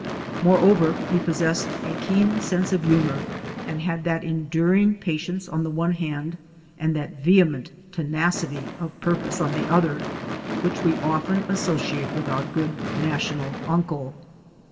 Moreover, he possessed a keen sense of humor, and had that enduring pa tience on the one hand and that vehement tenacity of purpose on the other which we often associate with our good National Uncle.